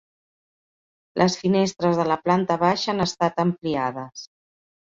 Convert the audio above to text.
Les finestres de la planta baixa han estat ampliades.